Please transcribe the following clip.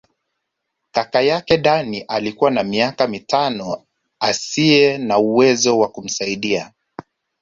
Kaka yake Dani alikuwa na miaka mitano asiye na uwezo wa kumsaidia.